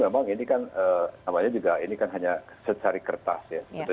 biasanya ada faktor